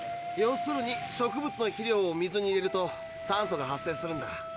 要するに植物の肥料を水に入れると酸素が発生するんだ。